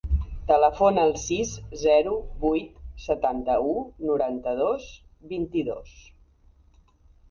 Telefona al sis, zero, vuit, setanta-u, noranta-dos, vint-i-dos.